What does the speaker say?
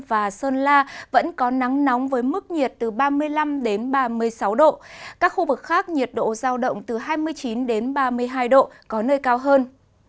và sơn la vẫn có nắng nóng với mức nhiệt từ ba mươi năm ba mươi sáu độ các khu vực khác nhiệt độ giao động từ hai mươi chín đến ba mươi hai độ có nơi cao hơn